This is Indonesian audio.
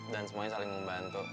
dan semuanya saling membantu